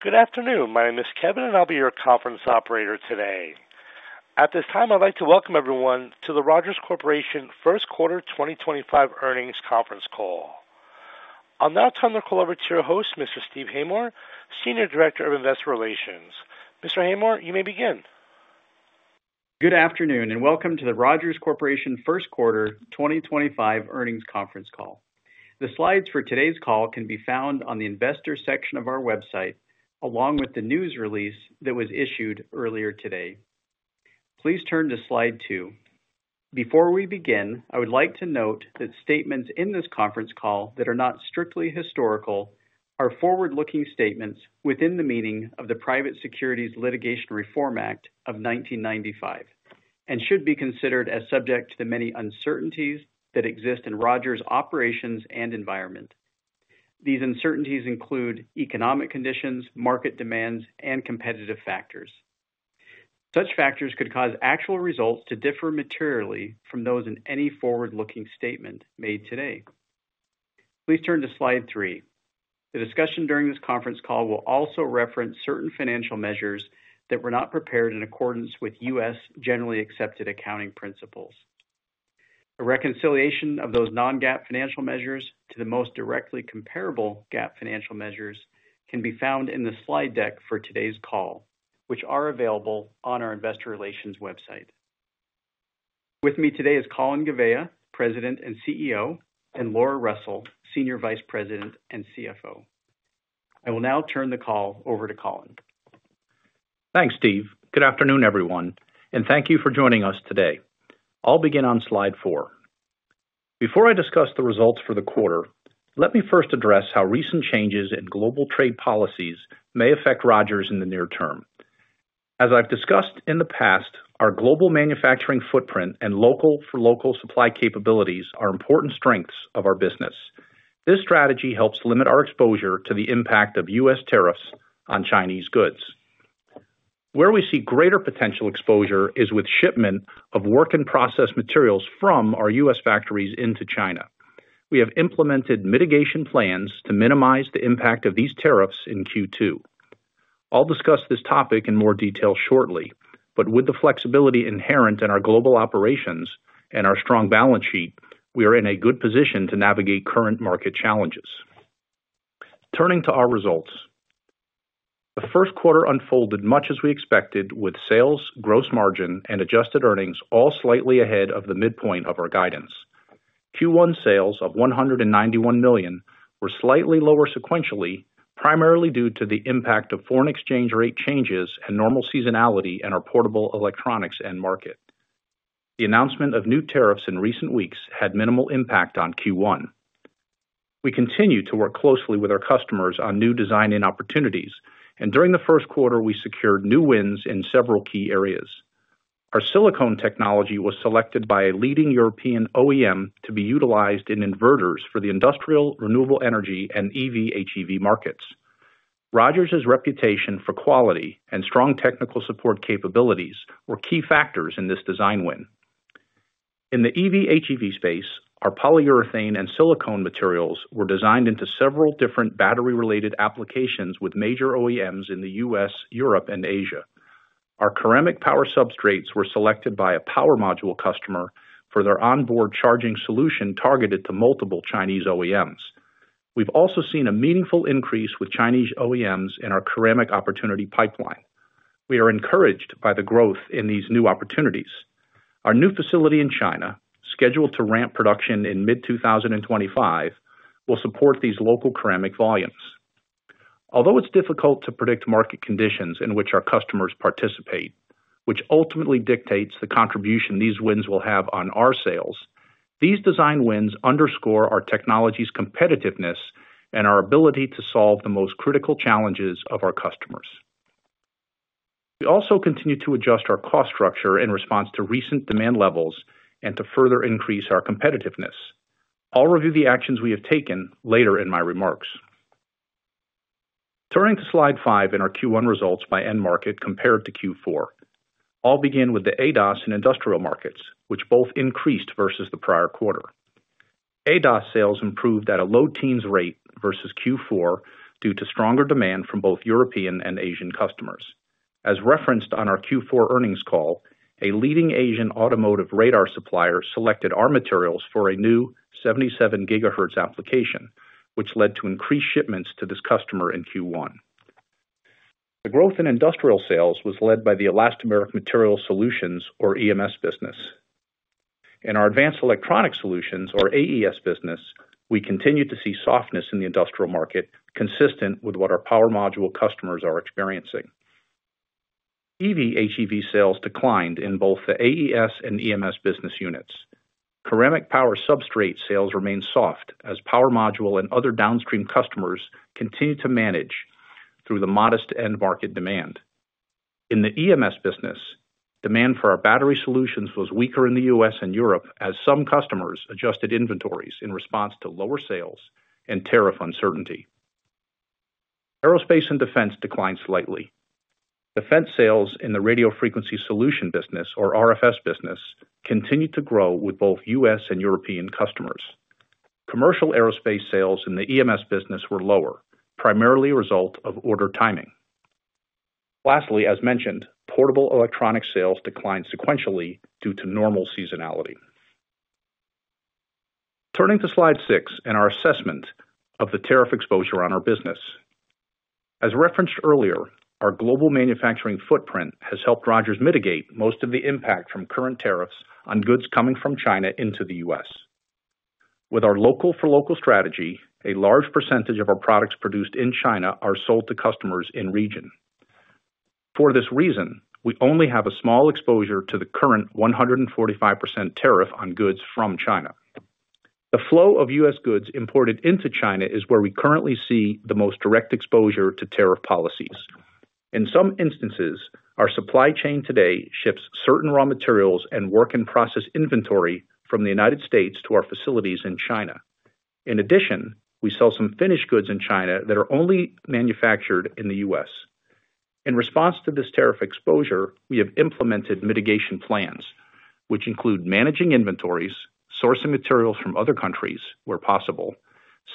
Good afternoon. My name is Kevin, and I'll be your conference operator today. At this time, I'd like to welcome everyone to the Rogers Corporation First Quarter 2025 earnings conference call. I'll now turn the call over to your host, Mr. Steve Haymore, Senior Director of Investor Relations. Mr. Haymore, you may begin. Good afternoon and welcome to the Rogers Corporation First Quarter 2025 Earnings Conference call. The slides for today's call can be found on the Investor section of our website, along with the news release that was issued earlier today. Please turn to slide two. Before we begin, I would like to note that statements in this conference call that are not strictly historical are forward-looking statements within the meaning of the Private Securities Litigation Reform Act of 1995 and should be considered as subject to the many uncertainties that exist in Rogers' operations and environment. These uncertainties include economic conditions, market demands, and competitive factors. Such factors could cause actual results to differ materially from those in any forward-looking statement made today. Please turn to slide three. The discussion during this conference call will also reference certain financial measures that were not prepared in accordance with U.S. Generally accepted accounting principles. A reconciliation of those non-GAAP financial measures to the most directly comparable GAAP financial measures can be found in the slide deck for today's call, which are available on our Investor Relations website. With me today is Colin Gouveia, President and CEO, and Laura Russell, Senior Vice President and CFO. I will now turn the call over to Colin. Thanks, Steve. Good afternoon, everyone, and thank you for joining us today. I'll begin on slide four. Before I discuss the results for the quarter, let me first address how recent changes in global trade policies may affect Rogers in the near term. As I've discussed in the past, our global manufacturing footprint and local-for-local supply capabilities are important strengths of our business. This strategy helps limit our exposure to the impact of U.S. tariffs on Chinese goods. Where we see greater potential exposure is with shipment of work-in-process materials from our U.S. factories into China. We have implemented mitigation plans to minimize the impact of these tariffs in Q2. I'll discuss this topic in more detail shortly, but with the flexibility inherent in our global operations and our strong balance sheet, we are in a good position to navigate current market challenges. Turning to our results, the first quarter unfolded much as we expected, with sales, gross margin, and adjusted earnings all slightly ahead of the midpoint of our guidance. Q1 sales of $191 million were slightly lower sequentially, primarily due to the impact of foreign exchange rate changes and normal seasonality in our portable electronics end market. The announcement of new tariffs in recent weeks had minimal impact on Q1. We continue to work closely with our customers on new design and opportunities, and during the first quarter, we secured new wins in several key areas. Our silicone technology was selected by a leading European OEM to be utilized in inverters for the industrial, renewable energy, and EV/HEV markets. Rogers' reputation for quality and strong technical support capabilities were key factors in this design win. In the EV/HEV space, our polyurethane and silicone materials were designed into several different battery-related applications with major OEMs in the U.S., Europe, and Asia. Our ceramic power substrates were selected by a power module customer for their onboard charging solution targeted to multiple Chinese OEMs. We've also seen a meaningful increase with Chinese OEMs in our ceramic opportunity pipeline. We are encouraged by the growth in these new opportunities. Our new facility in China, scheduled to ramp production in mid-2025, will support these local ceramic volumes. Although it's difficult to predict market conditions in which our customers participate, which ultimately dictates the contribution these wins will have on our sales, these design wins underscore our technology's competitiveness and our ability to solve the most critical challenges of our customers. We also continue to adjust our cost structure in response to recent demand levels and to further increase our competitiveness. I'll review the actions we have taken later in my remarks. Turning to slide five in our Q1 results by end market compared to Q4, I'll begin with the ADAS and industrial markets, which both increased versus the prior quarter. ADAS sales improved at a low teens rate versus Q4 due to stronger demand from both European and Asian customers. As referenced on our Q4 earnings call, a leading Asian automotive radar supplier selected our materials for a new 77 GHz application, which led to increased shipments to this customer in Q1. The growth in industrial sales was led by the Elastomeric Material Solutions, or EMS, business. In our Advanced Electronic Solutions, or AES, business, we continue to see softness in the industrial market, consistent with what our power module customers are experiencing. EV/HEV sales declined in both the AES and EMS business units. Ceramic power substrate sales remained soft as power module and other downstream customers continued to manage through the modest end market demand. In the EMS business, demand for our battery solutions was weaker in the U.S. and Europe as some customers adjusted inventories in response to lower sales and tariff uncertainty. Aerospace and defense declined slightly. Defense sales in the Radio Frequency Solutions business, or RFS, business continued to grow with both U.S. and European customers. Commercial aerospace sales in the EMS business were lower, primarily a result of order timing. Lastly, as mentioned, portable electronics sales declined sequentially due to normal seasonality. Turning to slide six in our assessment of the tariff exposure on our business. As referenced earlier, our global manufacturing footprint has helped Rogers mitigate most of the impact from current tariffs on goods coming from China into the U.S. With our local-for-local strategy, a large percentage of our products produced in China are sold to customers in region. For this reason, we only have a small exposure to the current 145% tariff on goods from China. The flow of U.S. goods imported into China is where we currently see the most direct exposure to tariff policies. In some instances, our supply chain today ships certain raw materials and work-in-process inventory from the U.S. to our facilities in China. In addition, we sell some finished goods in China that are only manufactured in the U.S. In response to this tariff exposure, we have implemented mitigation plans, which include managing inventories, sourcing materials from other countries where possible,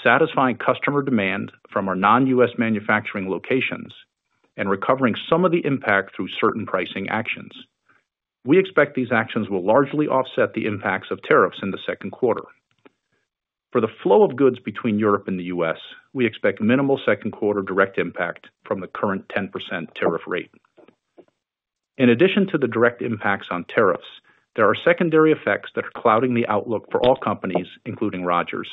satisfying customer demand from our non-U.S. manufacturing locations, and recovering some of the impact through certain pricing actions. We expect these actions will largely offset the impacts of tariffs in the second quarter. For the flow of goods between Europe and the U.S., we expect minimal second quarter direct impact from the current 10% tariff rate. In addition to the direct impacts on tariffs, there are secondary effects that are clouding the outlook for all companies, including Rogers.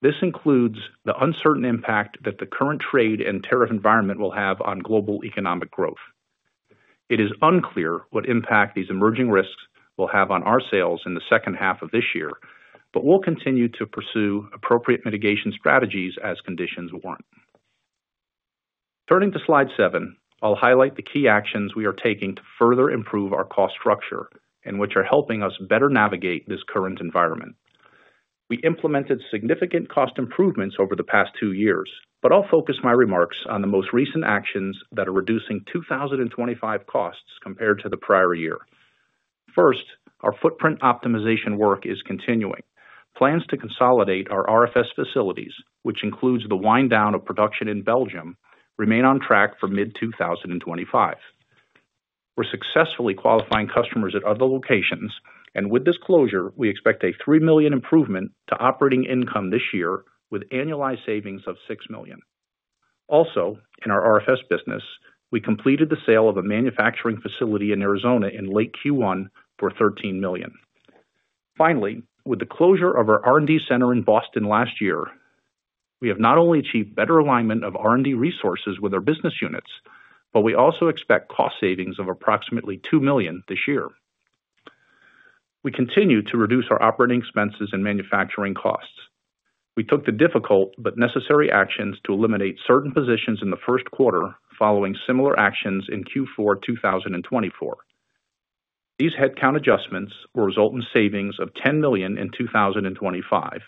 This includes the uncertain impact that the current trade and tariff environment will have on global economic growth. It is unclear what impact these emerging risks will have on our sales in the second half of this year, but we'll continue to pursue appropriate mitigation strategies as conditions warrant. Turning to slide seven, I'll highlight the key actions we are taking to further improve our cost structure and which are helping us better navigate this current environment. We implemented significant cost improvements over the past two years, but I'll focus my remarks on the most recent actions that are reducing 2025 costs compared to the prior year. First, our footprint optimization work is continuing. Plans to consolidate our RFS facilities, which includes the wind down of production in Belgium, remain on track for mid-2025. We're successfully qualifying customers at other locations, and with this closure, we expect a $3 million improvement to operating income this year with annualized savings of $6 million. Also, in our RFS business, we completed the sale of a manufacturing facility in Arizona in late Q1 for $13 million. Finally, with the closure of our R&D center in Boston last year, we have not only achieved better alignment of R&D resources with our business units, but we also expect cost savings of approximately $2 million this year. We continue to reduce our operating expenses and manufacturing costs. We took the difficult but necessary actions to eliminate certain positions in the first quarter following similar actions in Q4 2024. These headcount adjustments will result in savings of $10 million in 2025,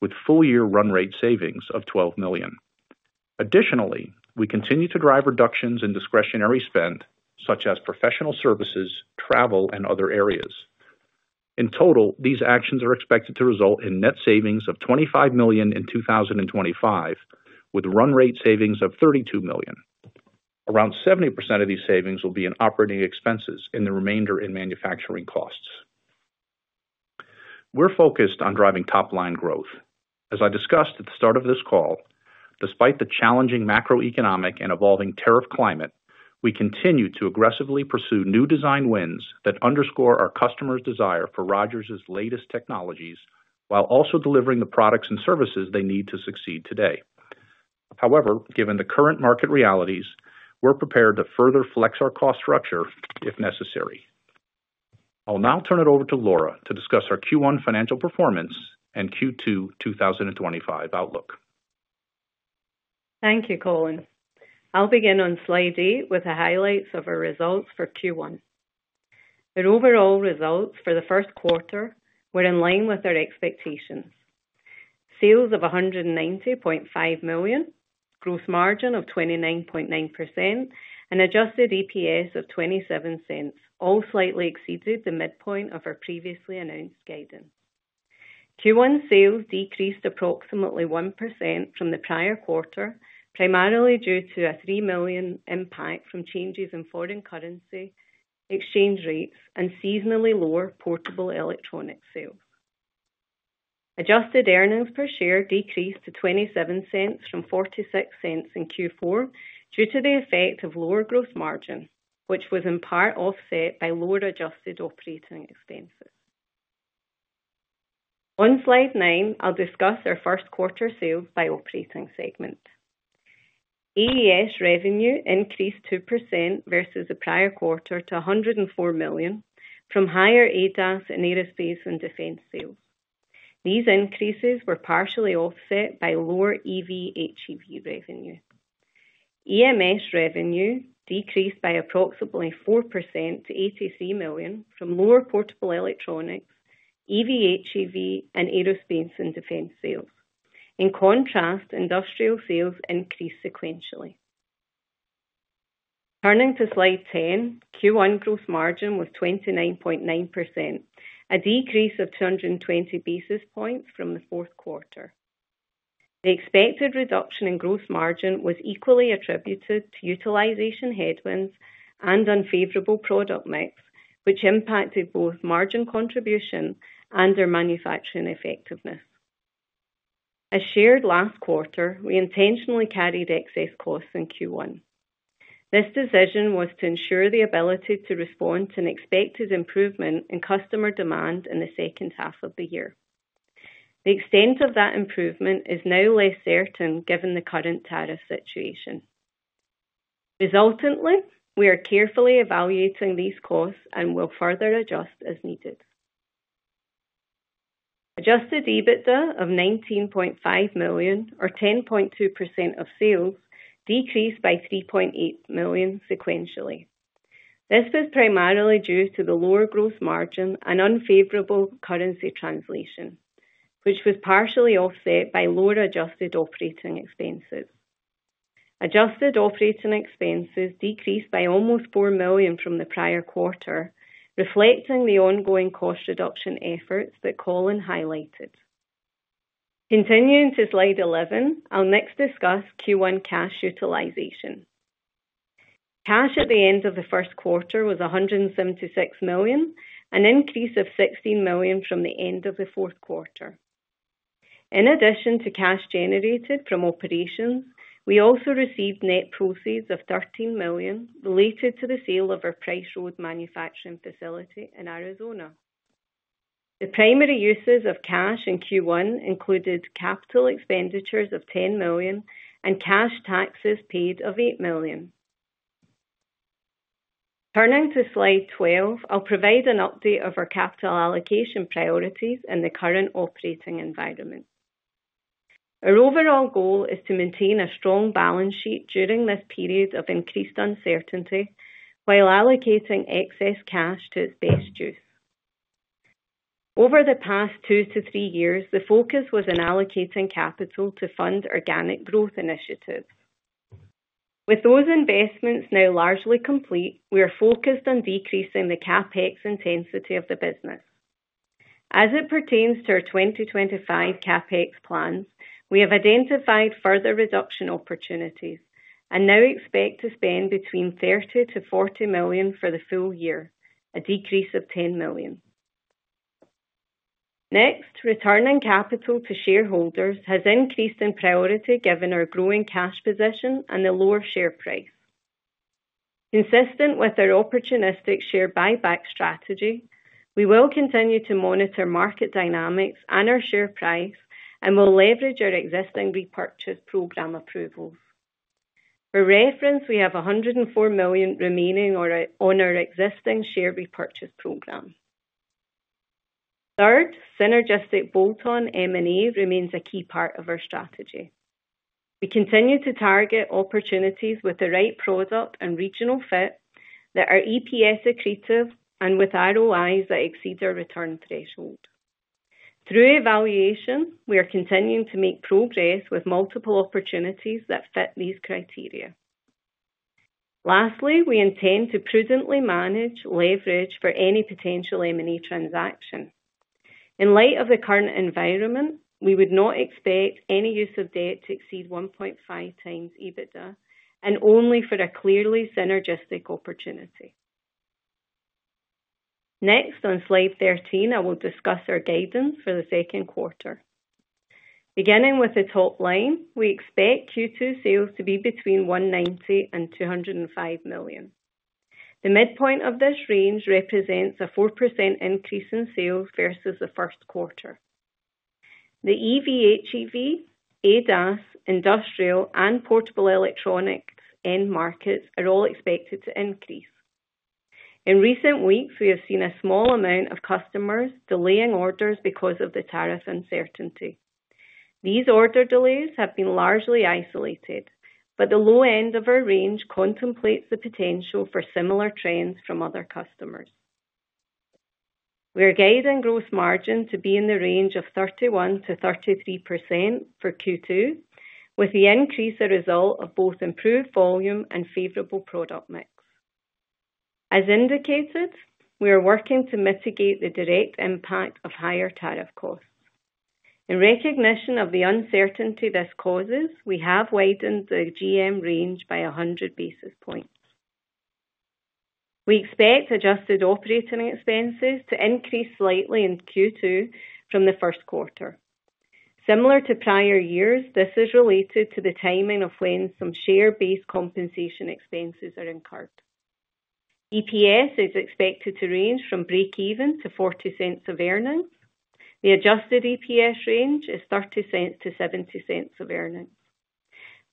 with full-year run rate savings of $12 million. Additionally, we continue to drive reductions in discretionary spend, such as professional services, travel, and other areas. In total, these actions are expected to result in net savings of $25 million in 2025, with run rate savings of $32 million. Around 70% of these savings will be in operating expenses and the remainder in manufacturing costs. We're focused on driving top-line growth. As I discussed at the start of this call, despite the challenging macroeconomic and evolving tariff climate, we continue to aggressively pursue new design wins that underscore our customers' desire for Rogers' latest technologies while also delivering the products and services they need to succeed today. However, given the current market realities, we're prepared to further flex our cost structure if necessary. I'll now turn it over to Laura to discuss our Q1 financial performance and Q2 2025 outlook. Thank you, Colin. I'll begin on slide eight with the highlights of our results for Q1. The overall results for the first quarter were in line with our expectations. Sales of $190.5 million, gross margin of 29.9%, and adjusted EPS of $0.27 all slightly exceeded the midpoint of our previously announced guidance. Q1 sales decreased approximately 1% from the prior quarter, primarily due to a $3 million impact from changes in foreign currency, exchange rates, and seasonally lower portable electronics sales. Adjusted earnings per share decreased to $0.27 from $0.46 in Q4 due to the effect of lower gross margin, which was in part offset by lower adjusted operating expenses. On slide nine, I'll discuss our first quarter sales by operating segment. AES revenue increased 2% versus the prior quarter to $104 million from higher ADAS and aerospace and defense sales. These increases were partially offset by lower EV/HEV revenue. EMS revenue decreased by approximately 4% to $83 million from lower portable electronics, EV/HEV, and aerospace and defense sales. In contrast, industrial sales increased sequentially. Turning to slide ten, Q1 gross margin was 29.9%, a decrease of 220 basis points from the fourth quarter. The expected reduction in gross margin was equally attributed to utilization headwinds and unfavorable product mix, which impacted both margin contribution and our manufacturing effectiveness. As shared last quarter, we intentionally carried excess costs in Q1. This decision was to ensure the ability to respond to an expected improvement in customer demand in the second half of the year. The extent of that improvement is now less certain given the current tariff situation. Resultantly, we are carefully evaluating these costs and will further adjust as needed. Adjusted EBITDA of $19.5 million, or 10.2% of sales, decreased by $3.8 million sequentially. This was primarily due to the lower gross margin and unfavorable currency translation, which was partially offset by lower adjusted operating expenses. Adjusted operating expenses decreased by almost $4 million from the prior quarter, reflecting the ongoing cost reduction efforts that Colin highlighted. Continuing to slide 11, I'll next discuss Q1 cash utilization. Cash at the end of the first quarter was $176 million, an increase of $16 million from the end of the fourth quarter. In addition to cash generated from operations, we also received net proceeds of $13 million related to the sale of our Price Road manufacturing facility in Arizona. The primary uses of cash in Q1 included capital expenditures of $10 million and cash taxes paid of $8 million. Turning to slide 12, I'll provide an update of our capital allocation priorities in the current operating environment. Our overall goal is to maintain a strong balance sheet during this period of increased uncertainty while allocating excess cash to its best use. Over the past two to three years, the focus was in allocating capital to fund organic growth initiatives. With those investments now largely complete, we are focused on decreasing the CapEx intensity of the business. As it pertains to our 2025 CapEx plans, we have identified further reduction opportunities and now expect to spend between $30-$40 million for the full year, a decrease of $10 million. Next, returning capital to shareholders has increased in priority given our growing cash position and the lower share price. Consistent with our opportunistic share buyback strategy, we will continue to monitor market dynamics and our share price and will leverage our existing repurchase program approvals. For reference, we have $104 million remaining on our existing share repurchase program. Third, synergistic bolt-on M&A remains a key part of our strategy. We continue to target opportunities with the right product and regional fit that are EPS accretive and with ROIs that exceed our return threshold. Through evaluation, we are continuing to make progress with multiple opportunities that fit these criteria. Lastly, we intend to prudently manage leverage for any potential M&A transaction. In light of the current environment, we would not expect any use of debt to exceed 1.5 times EBITDA and only for a clearly synergistic opportunity. Next, on slide 13, I will discuss our guidance for the second quarter. Beginning with the top line, we expect Q2 sales to be between $190 million and $205 million. The midpoint of this range represents a 4% increase in sales versus the first quarter. The EV/HEV, ADAS, industrial, and portable electronics end markets are all expected to increase. In recent weeks, we have seen a small amount of customers delaying orders because of the tariff uncertainty. These order delays have been largely isolated, but the low end of our range contemplates the potential for similar trends from other customers. We are guiding gross margin to be in the range of 31%-33% for Q2, with the increase a result of both improved volume and favorable product mix. As indicated, we are working to mitigate the direct impact of higher tariff costs. In recognition of the uncertainty this causes, we have widened the gross margin range by 100 basis points. We expect adjusted operating expenses to increase slightly in Q2 from the first quarter. Similar to prior years, this is related to the timing of when some share-based compensation expenses are incurred. EPS is expected to range from break-even to $0.40 of earnings. The adjusted EPS range is $0.30-$0.70 of earnings.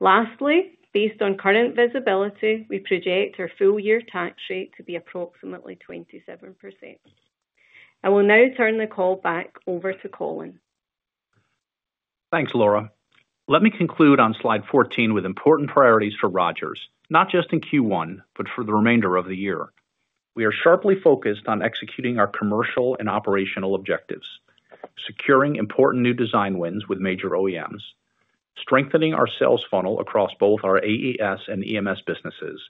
Lastly, based on current visibility, we project our full-year tax rate to be approximately 27%. I will now turn the call back over to Colin. Thanks, Laura. Let me conclude on slide 14 with important priorities for Rogers, not just in Q1, but for the remainder of the year. We are sharply focused on executing our commercial and operational objectives, securing important new design wins with major OEMs, strengthening our sales funnel across both our AES and EMS businesses,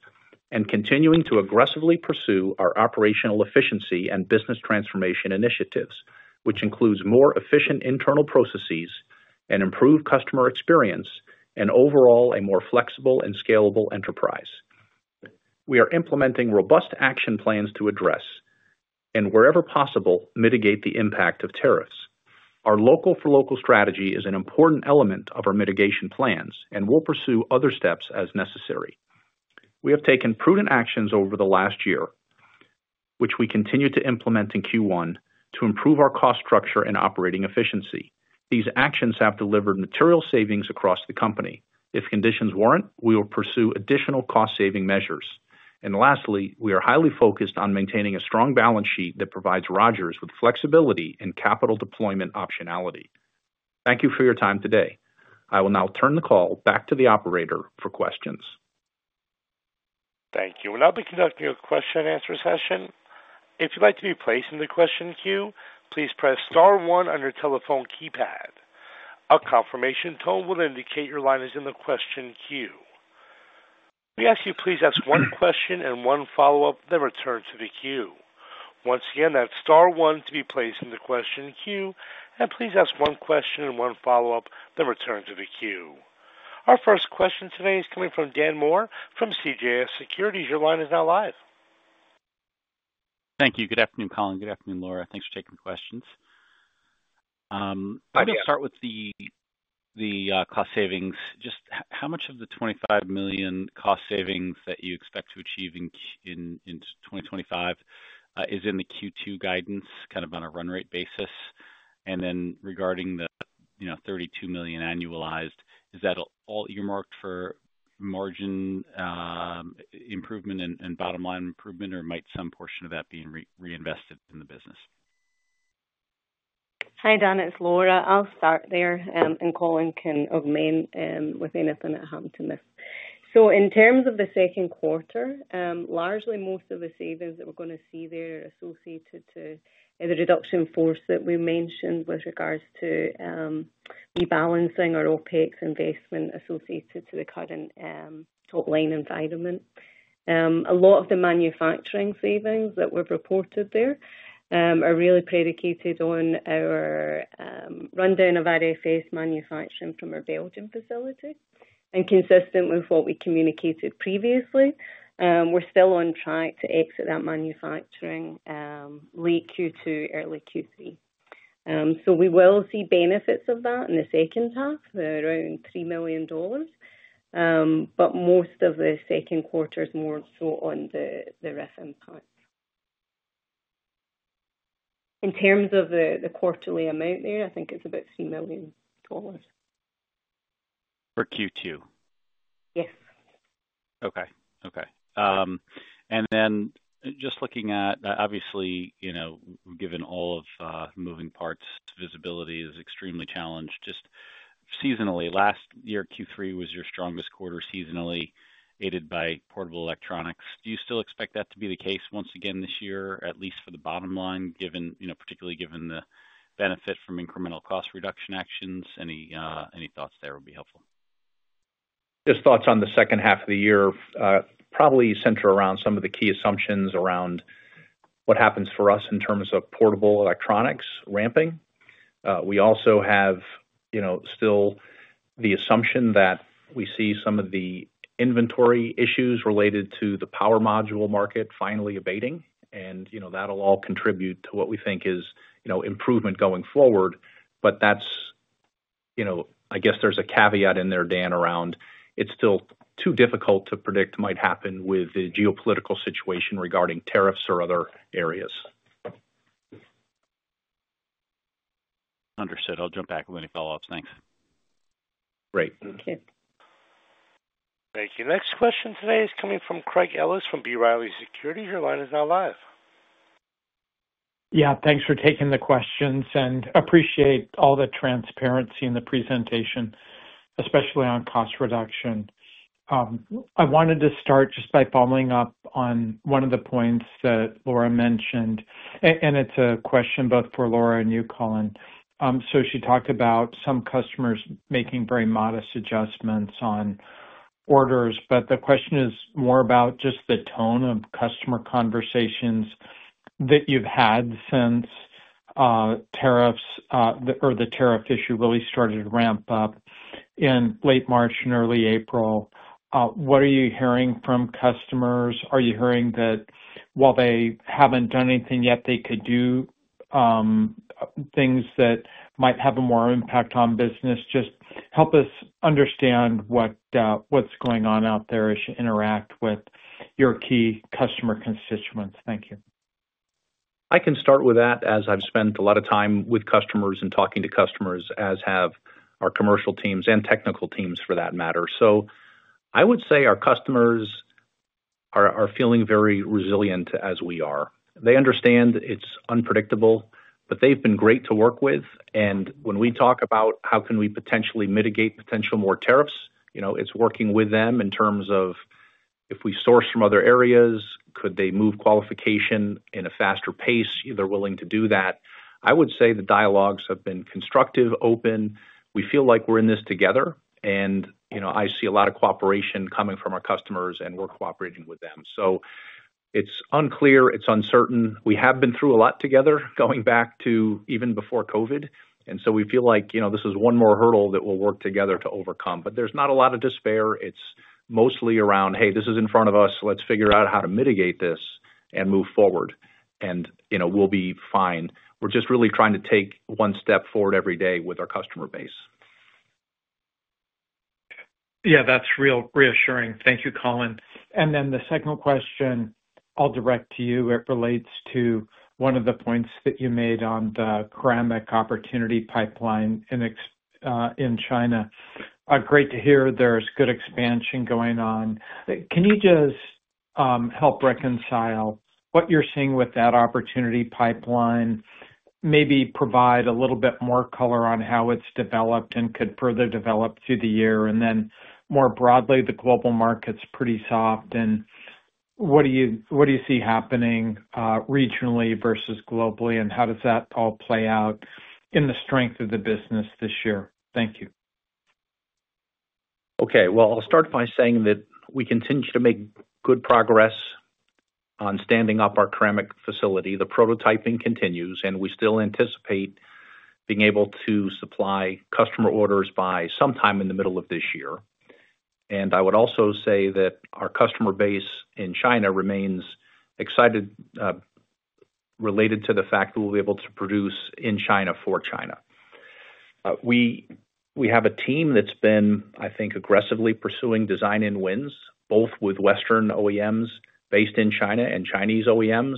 and continuing to aggressively pursue our operational efficiency and business transformation initiatives, which includes more efficient internal processes and improved customer experience, and overall a more flexible and scalable enterprise. We are implementing robust action plans to address, and wherever possible, mitigate the impact of tariffs. Our local-for-local strategy is an important element of our mitigation plans and will pursue other steps as necessary. We have taken prudent actions over the last year, which we continue to implement in Q1 to improve our cost structure and operating efficiency. These actions have delivered material savings across the company. If conditions warrant, we will pursue additional cost-saving measures. Lastly, we are highly focused on maintaining a strong balance sheet that provides Rogers with flexibility and capital deployment optionality. Thank you for your time today. I will now turn the call back to the operator for questions. Thank you. Now I'll be conducting a question-and-answer session. If you'd like to be placed in the question queue, please press star one on your telephone keypad. A confirmation tone will indicate your line is in the question queue. We ask you to please ask one question and one follow-up, then return to the queue. Once again, that's star one to be placed in the question queue, and please ask one question and one follow-up, then return to the queue. Our first question today is coming from Dan Moore from CJS Securities. Your line is now live. Thank you. Good afternoon, Colin. Good afternoon, Laura. Thanks for taking the questions. I'm going to start with the cost savings. Just how much of the $25 million cost savings that you expect to achieve in 2025 is in the Q2 guidance, kind of on a run rate basis? Regarding the $32 million annualized, is that all earmarked for margin improvement and bottom-line improvement, or might some portion of that be reinvested in the business? Hi, Don. It's Laura. I'll start there, and Colin can augment with anything that I have to miss. In terms of the second quarter, largely most of the savings that we're going to see there are associated to the reduction force that we mentioned with regards to rebalancing our OpEx investment associated to the current top-line environment. A lot of the manufacturing savings that were reported there are really predicated on our rundown of RFS manufacturing from our Belgian facility. Consistent with what we communicated previously, we're still on track to exit that manufacturing late Q2, early Q3. We will see benefits of that in the second half, around $3 million, but most of the second quarter is more so on the rough impact. In terms of the quarterly amount there, I think it's about $3 million. For Q2? Yes. Okay. Okay. Just looking at, obviously, given all of moving parts, visibility is extremely challenged. Just seasonally, last year Q3 was your strongest quarter seasonally, aided by portable electronics. Do you still expect that to be the case once again this year, at least for the bottom line, particularly given the benefit from incremental cost reduction actions? Any thoughts there would be helpful? Just thoughts on the second half of the year, probably center around some of the key assumptions around what happens for us in terms of portable electronics ramping. We also have still the assumption that we see some of the inventory issues related to the power module market finally abating, and that'll all contribute to what we think is improvement going forward. I guess there's a caveat in there, Dan, around it's still too difficult to predict might happen with the geopolitical situation regarding tariffs or other areas. Understood. I'll jump back with any follow-ups. Thanks. Great. Thank you. Thank you. Next question today is coming from Craig Ellis from B. Riley Securities. Your line is now live. Yeah. Thanks for taking the questions, and appreciate all the transparency in the presentation, especially on cost reduction. I wanted to start just by following up on one of the points that Laura mentioned, and it's a question both for Laura and you, Colin. She talked about some customers making very modest adjustments on orders, but the question is more about just the tone of customer conversations that you've had since tariffs or the tariff issue really started to ramp up in late March and early April. What are you hearing from customers? Are you hearing that while they haven't done anything yet, they could do things that might have a more impact on business? Just help us understand what's going on out there as you interact with your key customer constituents. Thank you. I can start with that, as I've spent a lot of time with customers and talking to customers, as have our commercial teams and technical teams, for that matter. I would say our customers are feeling very resilient as we are. They understand it's unpredictable, but they've been great to work with. When we talk about how can we potentially mitigate potential more tariffs, it's working with them in terms of if we source from other areas, could they move qualification in a faster pace? They're willing to do that. I would say the dialogues have been constructive, open. We feel like we're in this together, and I see a lot of cooperation coming from our customers, and we're cooperating with them. It's unclear. It's uncertain. We have been through a lot together going back to even before COVID, and we feel like this is one more hurdle that we will work together to overcome. There is not a lot of despair. It is mostly around, "Hey, this is in front of us. Let's figure out how to mitigate this and move forward, and we will be fine." We are just really trying to take one step forward every day with our customer base. Yeah, that's real reassuring. Thank you, Colin. The second question I'll direct to you. It relates to one of the points that you made on the ceramic opportunity pipeline in China. Great to hear there's good expansion going on. Can you just help reconcile what you're seeing with that opportunity pipeline, maybe provide a little bit more color on how it's developed and could further develop through the year? More broadly, the global market's pretty soft. What do you see happening regionally versus globally, and how does that all play out in the strength of the business this year? Thank you. Okay. I will start by saying that we continue to make good progress on standing up our ceramic facility. The prototyping continues, and we still anticipate being able to supply customer orders by sometime in the middle of this year. I would also say that our customer base in China remains excited related to the fact that we will be able to produce in China for China. We have a team that has been, I think, aggressively pursuing design and wins, both with Western OEMs based in China and Chinese OEMs.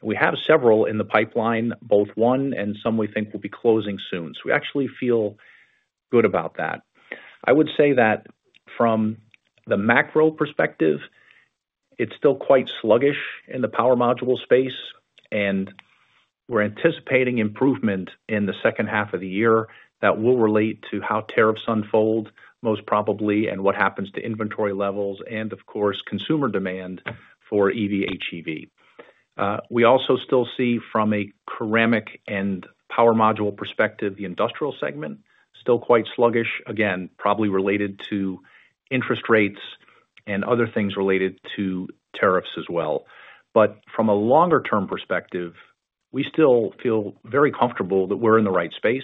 We have several in the pipeline, both one and some we think will be closing soon. We actually feel good about that. I would say that from the macro perspective, it's still quite sluggish in the power module space, and we're anticipating improvement in the second half of the year that will relate to how tariffs unfold most probably and what happens to inventory levels and, of course, consumer demand for EV/HEV. We also still see from a ceramic and power module perspective, the industrial segment still quite sluggish, again, probably related to interest rates and other things related to tariffs as well. From a longer-term perspective, we still feel very comfortable that we're in the right space.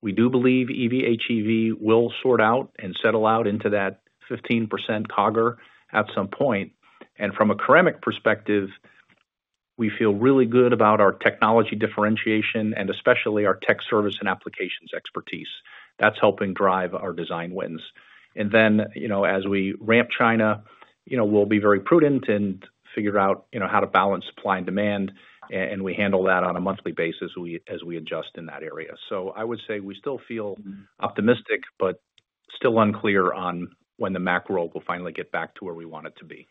We do believe EV/HEV will sort out and settle out into that 15% CAGR at some point. From a ceramic perspective, we feel really good about our technology differentiation and especially our tech service and applications expertise. That's helping drive our design wins. As we ramp China, we'll be very prudent and figure out how to balance supply and demand, and we handle that on a monthly basis as we adjust in that area. I would say we still feel optimistic, but still unclear on when the macro will finally get back to where we want it to be.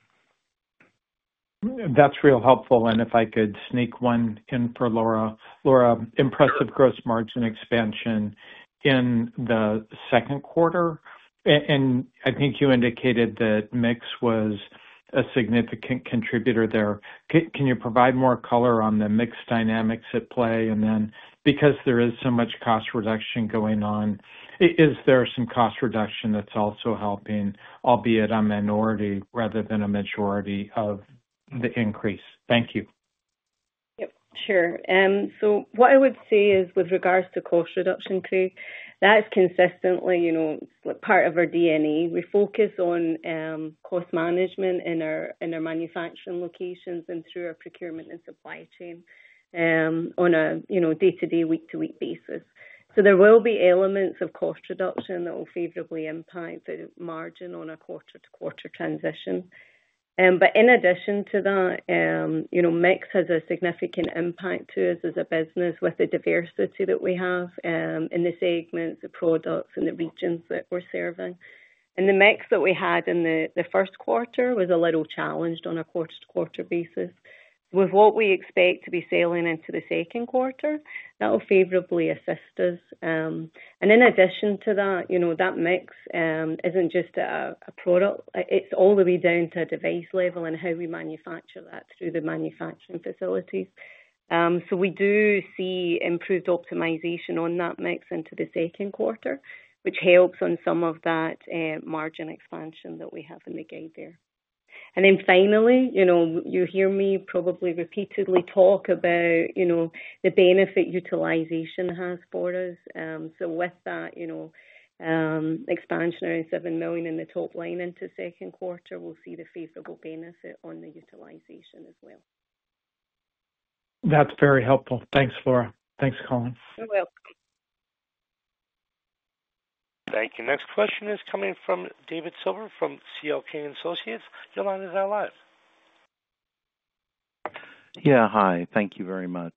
That's real helpful. If I could sneak one in for Laura. Laura, impressive gross margin expansion in the second quarter. I think you indicated that mix was a significant contributor there. Can you provide more color on the mix dynamics at play? Because there is so much cost reduction going on, is there some cost reduction that's also helping, albeit a minority rather than a majority of the increase? Thank you. Yep. Sure. What I would say is with regards to cost reduction too, that's consistently part of our DNA. We focus on cost management in our manufacturing locations and through our procurement and supply chain on a day-to-day, week-to-week basis. There will be elements of cost reduction that will favorably impact the margin on a quarter-to-quarter transition. In addition to that, mix has a significant impact to us as a business with the diversity that we have in the segments, the products, and the regions that we're serving. The mix that we had in the first quarter was a little challenged on a quarter-to-quarter basis. With what we expect to be selling into the second quarter, that will favorably assist us. In addition to that, that mix isn't just a product. It's all the way down to a device level and how we manufacture that through the manufacturing facilities. We do see improved optimization on that mix into the second quarter, which helps on some of that margin expansion that we have in the gate there. Finally, you hear me probably repeatedly talk about the benefit utilization has for us. With that expansion around $7 million in the top line into second quarter, we'll see the favorable benefit on the utilization as well. That's very helpful. Thanks, Laura. Thanks, Colin. You're welcome. Thank you. Next question is coming from David Silver from CLK & Associates. Your line is now live. Yeah. Hi. Thank you very much.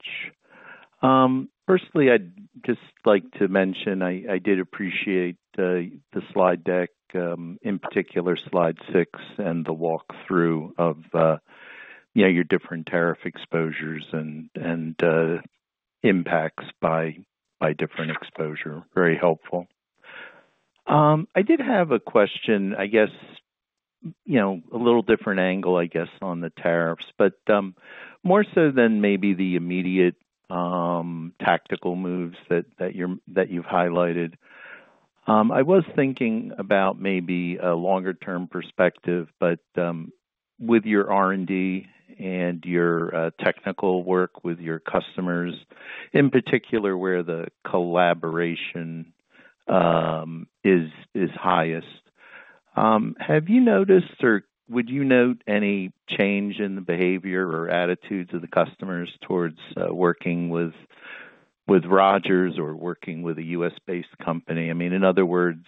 Firstly, I'd just like to mention I did appreciate the slide deck, in particular slide six and the walkthrough of your different tariff exposures and impacts by different exposure. Very helpful. I did have a question, I guess, a little different angle, I guess, on the tariffs, but more so than maybe the immediate tactical moves that you've highlighted. I was thinking about maybe a longer-term perspective, but with your R&D and your technical work with your customers, in particular where the collaboration is highest. Have you noticed or would you note any change in the behavior or attitudes of the customers towards working with Rogers or working with a U.S.-based company? I mean, in other words,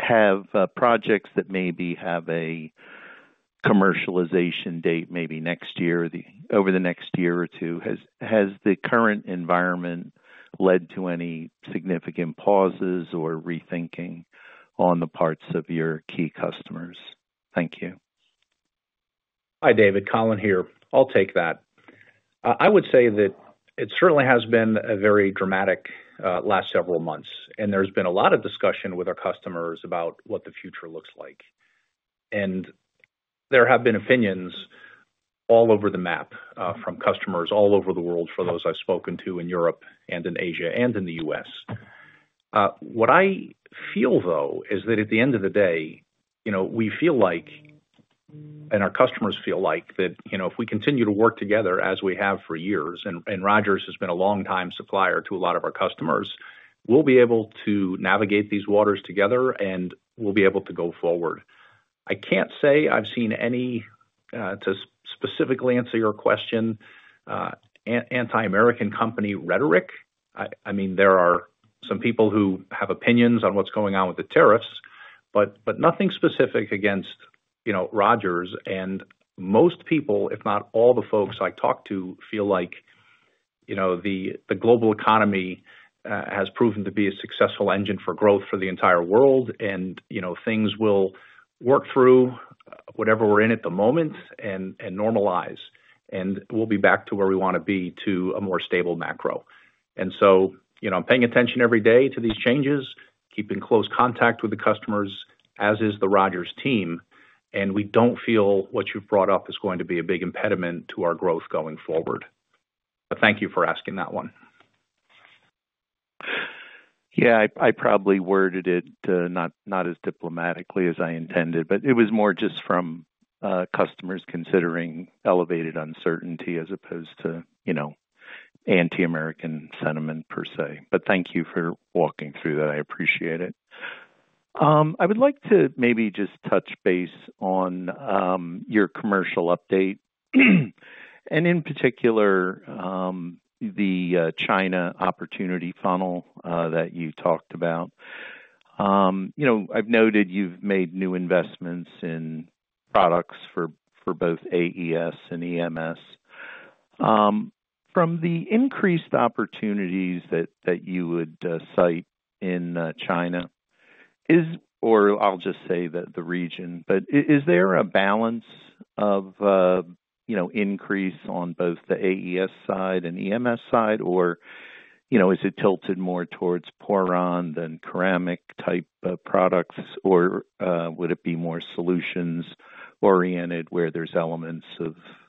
have projects that maybe have a commercialization date maybe next year or over the next year or two, has the current environment led to any significant pauses or rethinking on the parts of your key customers? Thank you. Hi, David. Colin here. I'll take that. I would say that it certainly has been a very dramatic last several months, and there's been a lot of discussion with our customers about what the future looks like. There have been opinions all over the map from customers all over the world for those I've spoken to in Europe and in Asia and in the U.S. What I feel, though, is that at the end of the day, we feel like and our customers feel like that if we continue to work together as we have for years, and Rogers has been a long-time supplier to a lot of our customers, we'll be able to navigate these waters together, and we'll be able to go forward. I can't say I've seen any, to specifically answer your question, anti-American company rhetoric. I mean, there are some people who have opinions on what's going on with the tariffs, but nothing specific against Rogers. Most people, if not all the folks I talk to, feel like the global economy has proven to be a successful engine for growth for the entire world, and things will work through whatever we're in at the moment and normalize, and we'll be back to where we want to be to a more stable macro. I am paying attention every day to these changes, keeping close contact with the customers, as is the Rogers team, and we do not feel what you've brought up is going to be a big impediment to our growth going forward. Thank you for asking that one. Yeah. I probably worded it not as diplomatically as I intended, but it was more just from customers considering elevated uncertainty as opposed to anti-American sentiment per se. Thank you for walking through that. I appreciate it. I would like to maybe just touch base on your commercial update and in particular the China opportunity funnel that you talked about. I've noted you've made new investments in products for both AES and EMS. From the increased opportunities that you would cite in China, or I'll just say that the region, is there a balance of increase on both the AES side and EMS side, or is it tilted more towards PORON than ceramic-type products, or would it be more solutions-oriented where there's elements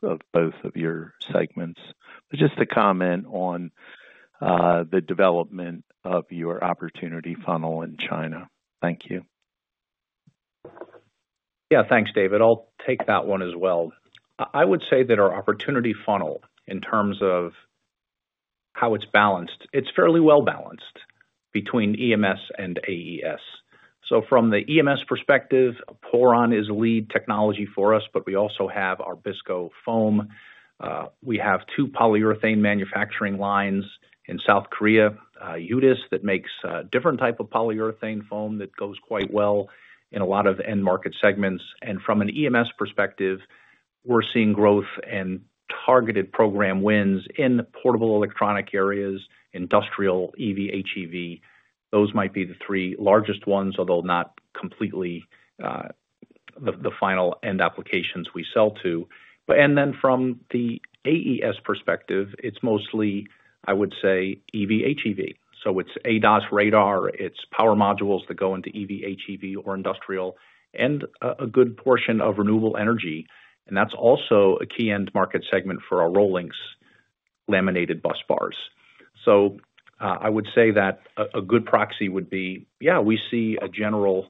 of both of your segments? Just a comment on the development of your opportunity funnel in China. Thank you. Yeah. Thanks, David. I'll take that one as well. I would say that our opportunity funnel in terms of how it's balanced, it's fairly well-balanced between EMS and AES. From the EMS perspective, PORON is lead technology for us, but we also have BISCO foam. We have two polyurethane manufacturing lines in South Korea, U.S., that makes a different type of polyurethane foam that goes quite well in a lot of end-market segments. From an EMS perspective, we're seeing growth and targeted program wins in portable electronic areas, industrial, EV/HEV. Those might be the three largest ones, although not completely the final end applications we sell to. From the AES perspective, it's mostly, I would say, EV/HEV. It's ADAS radar. It's power modules that go into EV/HEV or industrial and a good portion of renewable energy. That is also a key end-market segment for our Rogers laminated bus bars. I would say that a good proxy would be, yeah, we see a general,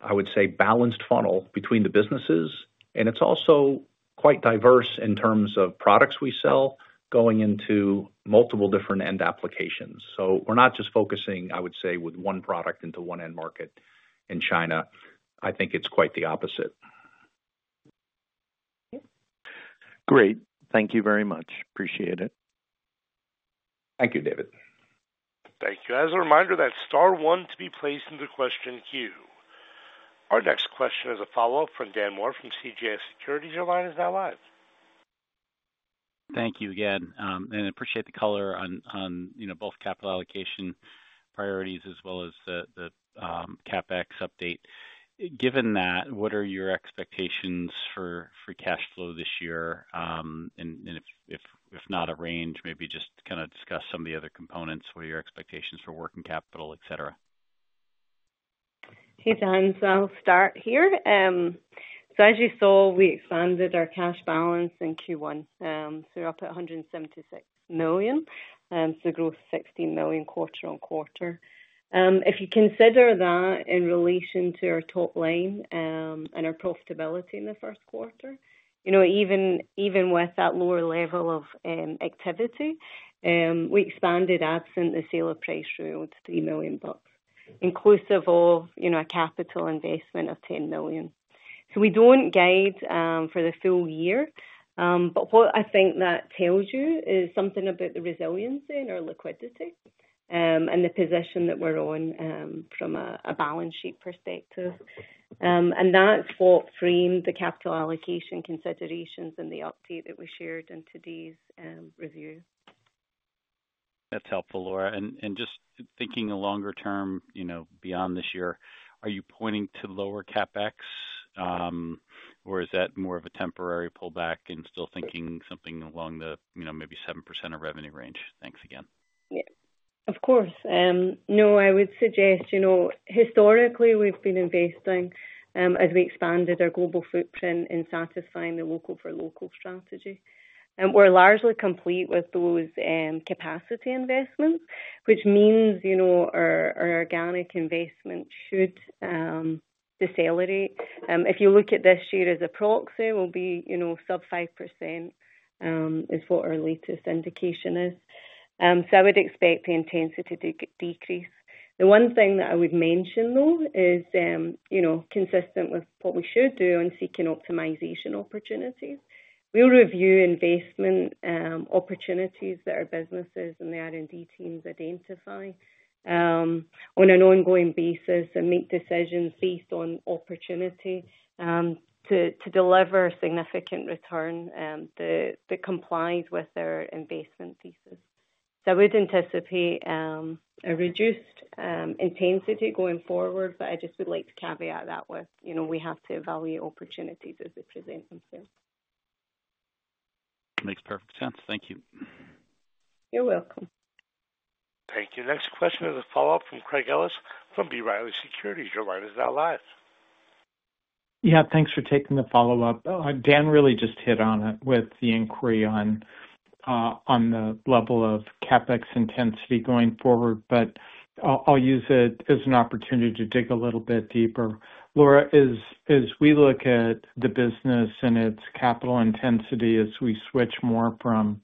I would say, balanced funnel between the businesses, and it is also quite diverse in terms of products we sell going into multiple different end applications. We are not just focusing, I would say, with one product into one end market in China. I think it is quite the opposite. Yep. Great. Thank you very much. Appreciate it. Thank you, David. Thank you. As a reminder, that's star one to be placed in the question queue. Our next question is a follow-up from Dan Moore from CJS Securities. Your line is now live. Thank you again. I appreciate the color on both capital allocation priorities as well as the CapEx update. Given that, what are your expectations for cash flow this year? If not a range, maybe just kind of discuss some of the other components, what are your expectations for working capital, etc.? Hey, Dan. I'll start here. As you saw, we expanded our cash balance in Q1. We're up at $176 million. Growth is $16 million quarter-on-quarter. If you consider that in relation to our top line and our profitability in the first quarter, even with that lower level of activity, we expanded absent the sale of pressure of $3 million, inclusive of a capital investment of $10 million. We do not guide for the full year, but what I think that tells you is something about the resiliency and our liquidity and the position that we're on from a balance sheet perspective. That is what framed the capital allocation considerations and the update that we shared in today's review. That's helpful, Laura. Just thinking longer term beyond this year, are you pointing to lower CapEx, or is that more of a temporary pullback and still thinking something along the maybe 7% of revenue range? Thanks again. Yeah. Of course. No, I would suggest historically, we've been investing as we expanded our global footprint in satisfying the local-for-local strategy. We're largely complete with those capacity investments, which means our organic investment should decelerate. If you look at this year as a proxy, we'll be sub 5% is what our latest indication is. I would expect the intensity to decrease. The one thing that I would mention, though, is consistent with what we should do on seeking optimization opportunities. We'll review investment opportunities that our businesses and the R&D teams identify on an ongoing basis and make decisions based on opportunity to deliver significant return that complies with our investment thesis. I would anticipate a reduced intensity going forward, but I just would like to caveat that with we have to evaluate opportunities as they present themselves. Makes perfect sense. Thank you. You're welcome. Thank you. Next question is a follow-up from Craig Ellis from B. Riley Securities. Your line is now live. Yeah. Thanks for taking the follow-up. Dan really just hit on it with the inquiry on the level of CapEx intensity going forward, but I'll use it as an opportunity to dig a little bit deeper. Laura, as we look at the business and its capital intensity as we switch more from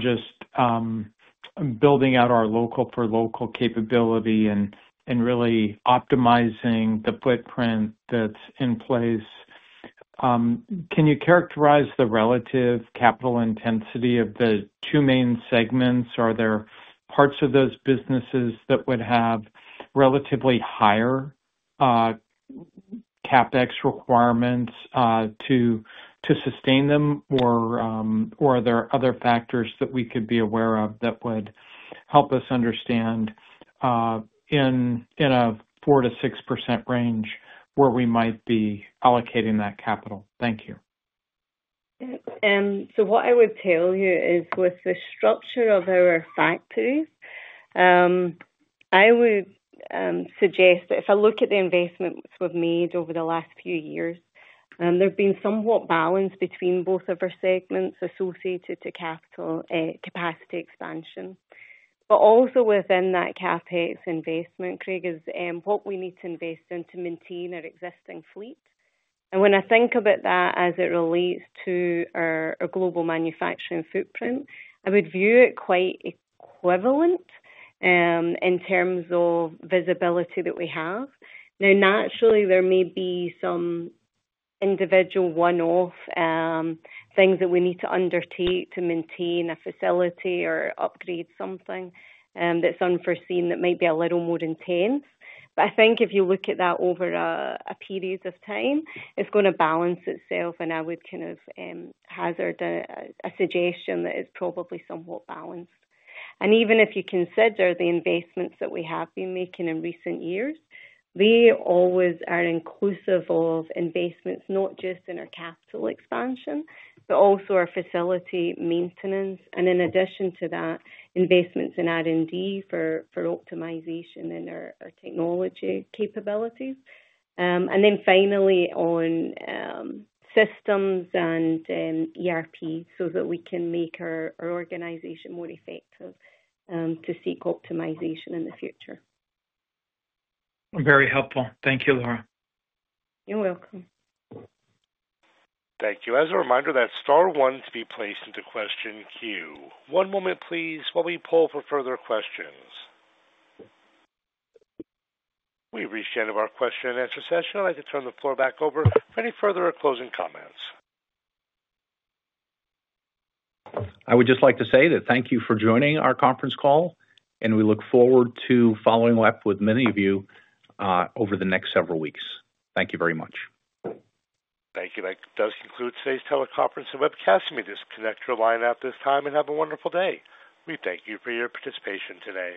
just building out our local-for-local capability and really optimizing the footprint that's in place, can you characterize the relative capital intensity of the two main segments? Are there parts of those businesses that would have relatively higher CapEx requirements to sustain them, or are there other factors that we could be aware of that would help us understand in a 4%-6% range where we might be allocating that capital? Thank you. Yeah. What I would tell you is with the structure of our factories, I would suggest that if I look at the investments we've made over the last few years, there have been somewhat balance between both of our segments associated to capital capacity expansion. Also within that CapEx investment, Craig, is what we need to invest in to maintain our existing fleet. When I think about that as it relates to our global manufacturing footprint, I would view it quite equivalent in terms of visibility that we have. Naturally, there may be some individual one-off things that we need to undertake to maintain a facility or upgrade something that's unforeseen that might be a little more intense. I think if you look at that over a period of time, it's going to balance itself, and I would kind of hazard a suggestion that it's probably somewhat balanced. Even if you consider the investments that we have been making in recent years, they always are inclusive of investments not just in our capital expansion, but also our facility maintenance. In addition to that, investments in R&D for optimization in our technology capabilities. Finally, on systems and ERP so that we can make our organization more effective to seek optimization in the future. Very helpful. Thank you, Laura. You're welcome. Thank you. As a reminder, that's star one to be placed into question queue. One moment, please. While we pull for further questions, we've reached the end of our question-and-answer session. I'd like to turn the floor back over for any further closing comments. I would just like to say that thank you for joining our conference call, and we look forward to following up with many of you over the next several weeks. Thank you very much. Thank you. That does conclude today's teleconference and webcast. You may disconnect your line at this time and have a wonderful day. We thank you for your participation today.